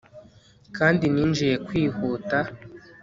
Kandi ninjiye kwihuta